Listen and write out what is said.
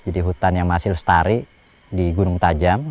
jadi hutan yang masih lestari di gunung tajam